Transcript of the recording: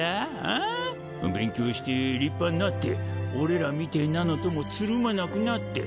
あ？勉強して立派になって俺らみてぇなのともつるまなくなって。